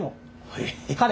はい。